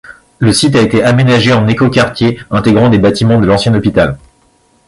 Le site a été aménagé en éco-quartier intégrant des bâtiments de l'ancien hôpital.